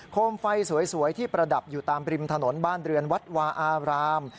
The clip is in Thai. มไฟสวยที่ประดับอยู่ตามริมถนนบ้านเรือนวัดวาอาราม